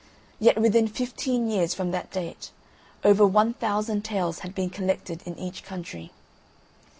Yet, within fifteen years from that date, over 1000 tales had been collected in each country.